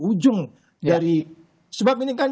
ujung dari sebab ini kan